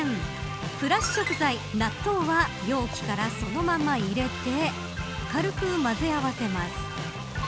プラス食材、納豆は容器からそのまま入れて軽く混ぜ合わせます。